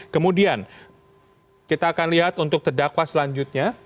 kemudian kita akan lihat untuk terdakwa selanjutnya